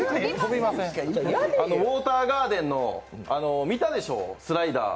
ウォーターガーデンの見たでしょう、スライダー。